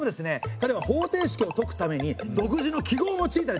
かれは方程式を解くために独自の記号を用いたりとか！